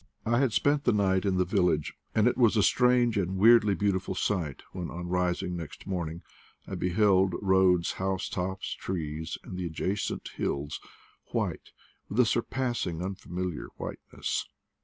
I had spent the night in the village, and it was a strange and weirdly beautiful sight, when, on rising next morning, I beheld roads, housetops, trees, and the adjacent hills, white with a surpassing unfamiliar whiteness.